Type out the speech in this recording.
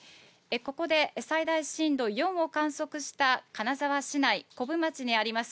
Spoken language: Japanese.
ここで最大震度４を観測した金沢市内古府町にあります